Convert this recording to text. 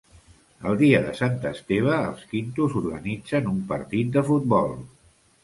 El dia de Sant Esteve els quintos organitzen un partit de futbol.